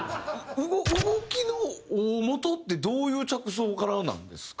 動きの大本ってどういう着想からなんですか？